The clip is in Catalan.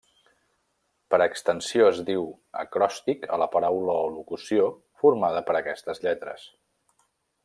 Per extensió es diu acròstic a la paraula o locució formada per aquestes lletres.